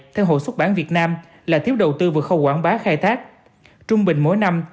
theo hội xuất bản việt nam là thiếu đầu tư vào khâu quảng bá khai thác trung bình mỗi năm